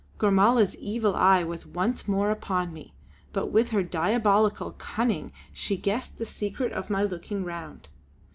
Gormala's evil eye was once more upon me, but with her diabolical cunning she guessed the secret of my looking round.